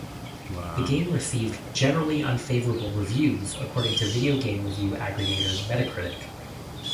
The game received "generally unfavorable reviews" according to video game review aggregator Metacritic.